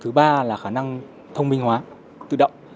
thứ ba là khả năng thông minh hóa tự động